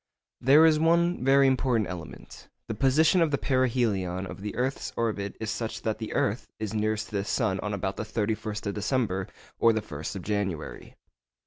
There is one very important element. The position of the perihelion of the earth's orbit is such that the earth is nearest to the sun on about the 31st of December or the 1st of January.